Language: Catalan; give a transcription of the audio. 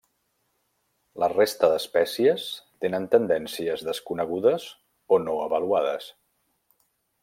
La resta d'espècies tenen tendències desconegudes o no avaluades.